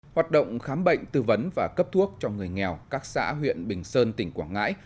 hoạt động khám bệnh tư vấn và cấp thuốc cho người nghèo các xã huyện bình sơn tỉnh quảng ngãi